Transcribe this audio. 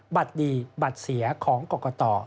บัตรดีบัตรเสียของกรกต